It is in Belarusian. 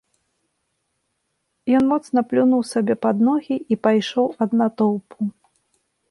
Ён моцна плюнуў сабе над ногі і пайшоў ад натоўпу.